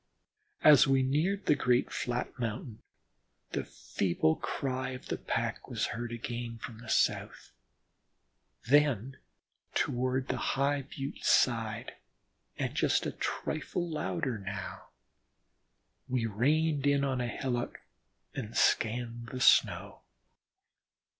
As we neared the great flat mountain, the feeble cry of the pack was heard again from the south, then toward the high Butte's side, and just a trifle louder now. We reined in on a hillock and scanned the snow.